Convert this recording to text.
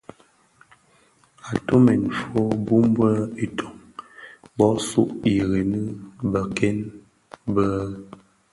Atumèn fo bum be itöň bö sug ireňi beken bèn.